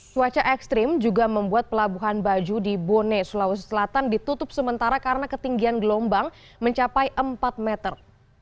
cuaca ekstrim juga membuat pelabuhan baju di bone sulawesi selatan ditutup sementara karena ketinggian gelombang mencapai empat meter